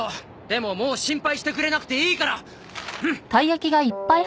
でももう心配してくれなくていいから！